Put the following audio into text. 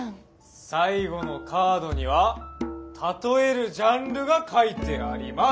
最後のカードには例えるジャンルが書いてあります。